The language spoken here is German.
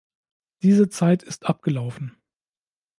Diese Zeit ist abgelaufen.